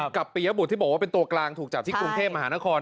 ปียบุตรที่บอกว่าเป็นตัวกลางถูกจับที่กรุงเทพมหานคร